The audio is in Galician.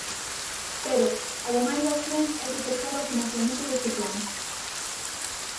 Pero, ademais de accións, hai que ter claro o financiamento deste plan.